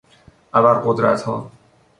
ابر قدرتها